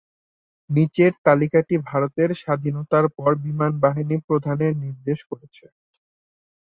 নিচের তালিকাটি ভারতের স্বাধীনতার পর বিমানবাহিনী প্রধানের নির্দেশ করছে।